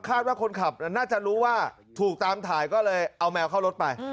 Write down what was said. ว่าคนขับน่าจะรู้ว่าถูกตามถ่ายก็เลยเอาแมวเข้ารถไป